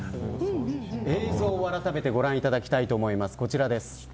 映像をあらためてご覧いただきたいと思います。